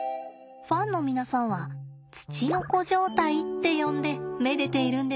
ファンの皆さんはツチノコ状態って呼んでめでているんですって。